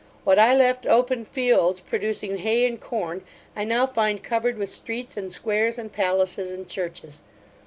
What I left open fields, producing hay and corn, I now find covered with streets and squares, and palaces, and churches.